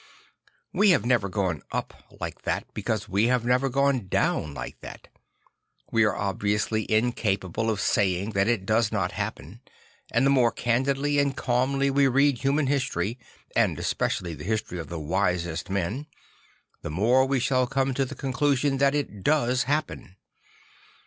We have never gone up like that because we have never gone down like that; we are obviously incapable of saying that it does not happen; and the more candidly and calmly \ve read human history, and especially the history of the wisest men, the more we shall come to the conclusion that it does happen.